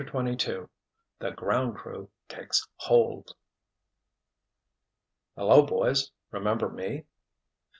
CHAPTER XXII THE "GROUND CREW" TAKES HOLD "Hello, boys. Remember me?"